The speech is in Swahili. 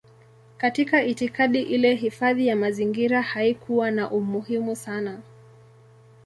Katika itikadi ile hifadhi ya mazingira haikuwa na umuhimu sana.